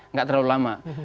nggak terlalu lama